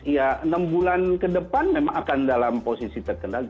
ya enam bulan ke depan memang akan dalam posisi terkendali